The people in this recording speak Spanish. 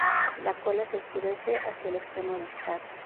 La cola se oscurece hacia el extremo distal.